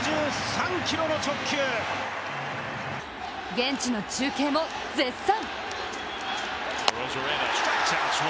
現地の中継も絶賛！